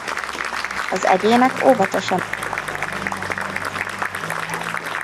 Az egyének óvatosan mutatják be magukat környezetüknek.